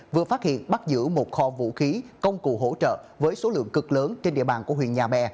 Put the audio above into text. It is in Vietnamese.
vừa phát hiện bắt giữ một kho vũ khí công cụ hỗ trợ với số lượng cực lớn trên địa bàn của huyện nhà bè